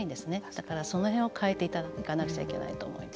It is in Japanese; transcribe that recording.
だから、その辺を変えていただかなくちゃいけないと思うんです。